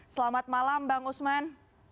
selamat malam bang usman